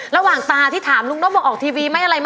ระหว่างตาที่ถามลุงนกแล้วบอกออกทีวีไม่อะไร